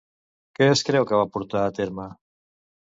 Què es creu que va portar a terme?